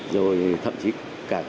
rồi thậm chí cả